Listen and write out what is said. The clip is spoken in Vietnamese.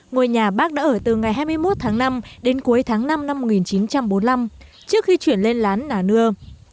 ngôi nhà bác đã ở từ ngày hai mươi một tháng năm đến cuối tháng năm năm một nghìn chín trăm bốn mươi năm trước khi chuyển lên lán nà nưa